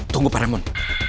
tunggu pak ramon